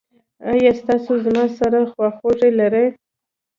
ایا تاسو زما سره خواخوږي لرئ؟